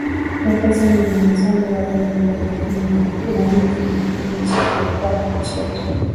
profesa nina mwenzangu hapa emanuel makundi na hiki ni kipindi cha jukwaa la michezo